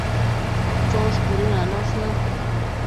Chosh cuëdënanosh në